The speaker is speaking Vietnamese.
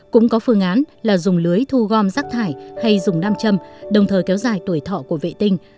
cũng có phương án là dùng lưới thu gom rác thải hay dùng nam châm đồng thời kéo dài tuổi thọ của vệ tinh